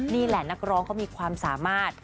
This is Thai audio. นี่แหละนักร้องเขามีความสามารถ